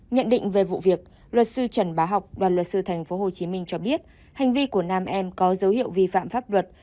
nhận định về vụ việc luật sư trần bá học đoàn luật sư tp hcm cho biết hành vi của nam em có dấu hiệu vi phạm pháp luật